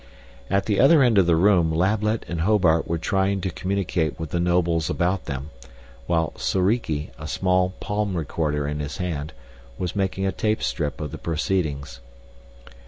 At the other end of the room Lablet and Hobart were trying to communicate with the nobles about them, while Soriki, a small palm recorder in his hand, was making a tape strip of the proceedings.